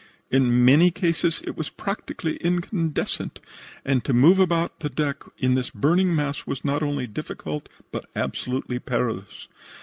In many cases it was practically incandescent, and to move about the deck in this burning mass was not only difficult but absolutely perilous.